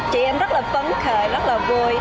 chị em rất là phấn khởi rất là vui